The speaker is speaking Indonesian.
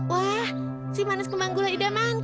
wah si manis kemanggulan ida mantan